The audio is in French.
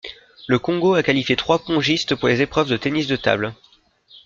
Le Congo a qualifié trois pongistes pour les épreuves de tennis de table.